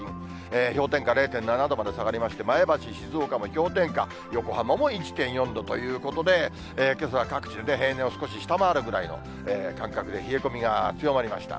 氷点下０．７度まで下がりまして、前橋、静岡も氷点下、横浜も１．４度ということで、けさは各地で平年を少し下回るぐらいの感覚で、冷え込みが強まりました。